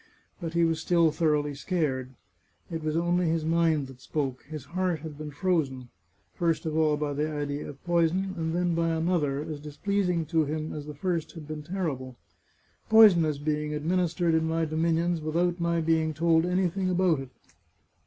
But he was still thoroughly scared. It was only his mind that spoke; his heart had been frozen — first of all by the idea of poison, and then by another, as displeasing to him as the first had been terrible, " Poison is being administered in my dominions without my being told anything about it.